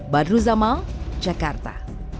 badru zamal jakarta